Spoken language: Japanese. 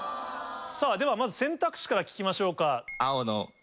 ではまず選択肢から聞きましょうか。